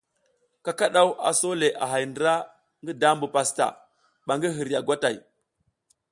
Kakadaw a so le a hay ndra ngi dabu pastaʼa ban gi hirya gwatay.